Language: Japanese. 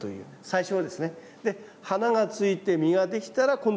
最初はですね。